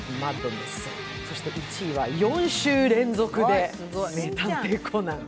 そして１位は４週連続で「名探偵コナン」。